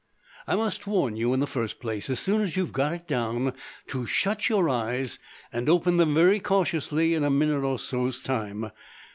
"I must warn you in the first place as soon as you've got it down to shut your eyes, and open them very cautiously in a minute or so's time.